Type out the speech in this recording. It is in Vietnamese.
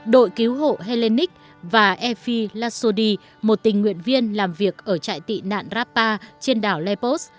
đội cứu hộ hellenic và efi lasodi một tình nguyện viên làm việc ở trại tị nạn rapa trên đảo lepos